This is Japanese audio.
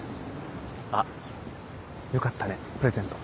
あっよかったねプレゼント。